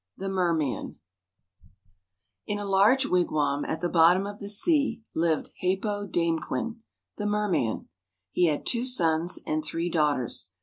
THE MERMAN In a large wigwam, at the bottom of the sea, lived "Hāpōdāmquen," the merman. He had two sons and three daughters.